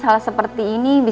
hal seperti ini